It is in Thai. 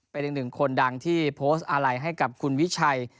เป็นอีกหนึ่งคนดังที่โพสต์อะไรให้กับคุณวิชัย